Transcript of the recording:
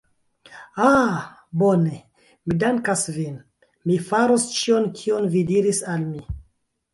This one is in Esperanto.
Ah? Bone. Mi dankas vin. Mi faros ĉion kion vi diris al mi.